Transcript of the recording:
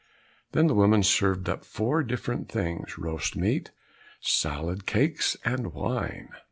Then the woman served up four different things, roast meat, salad, cakes, and wine.